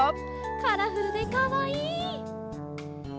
カラフルでかわいい！